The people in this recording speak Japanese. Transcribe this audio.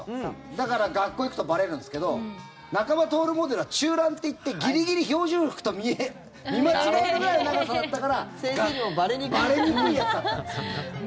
だから、学校に行くとばれるんですけど中間徹モデルは中ランっていってギリギリ標準服と見間違えるくらいの長さだったからばれにくいやつだったんですよ。